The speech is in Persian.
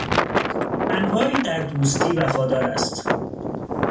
انواری در دوستی وفادار است.